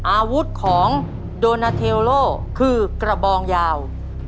อาวุธของโดนาเทลโลคือกระบองยาว